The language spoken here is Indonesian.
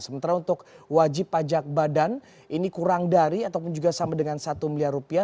sementara untuk wajib pajak badan ini kurang dari ataupun juga sama dengan satu miliar rupiah